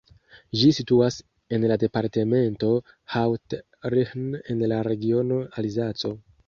Ĝi situas en la departemento Haut-Rhin en la regiono Alzaco.